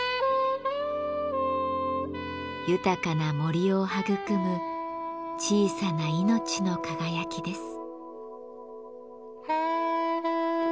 豊かな森を育む小さな命の輝きです。